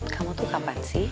kamu tuh kapan sih